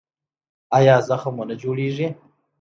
ایا زخم مو نه جوړیږي؟